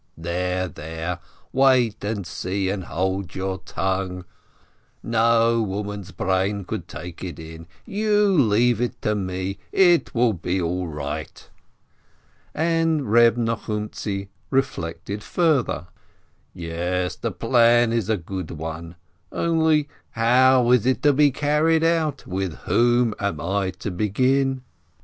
"There, there, wait and see and hold your tongue! No woman's brain could take it in. You leave it to me, it will be all right!" And Reb Nochumtzi reflected further : "Yes, the plan is a good one. Only, how is it to be carried out? With whom am I to begin?"